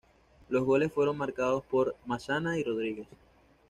Los goles fueron marcados por Massana y Rodríguez.